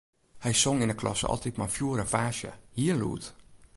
Hy song yn 'e klasse altyd mei fjoer en faasje, hiel lûd.